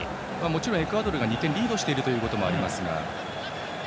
もちろんエクアドルが２点リードしていることもありますが。